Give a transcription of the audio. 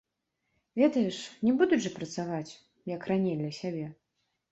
Ведаеш, не будуць жа працаваць, як раней для сябе.